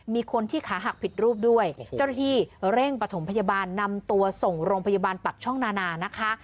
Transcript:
มีคนที่ขาหักผิดรูปด้วยเจ้าหน้าที่เร่งปฐมพยาบาลนำตัวส่งโรงพยาบาลปักช่องนานานะคะ